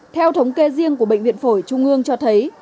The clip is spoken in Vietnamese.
theo thống kê riêng của bệnh viện phổi trung ương cho thấy